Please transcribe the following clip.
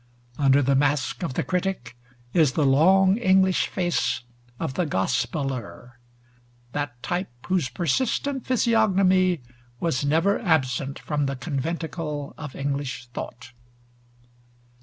Under the mask of the critic is the long English face of the gospeler; that type whose persistent physiognomy was never absent from the conventicle of English thought.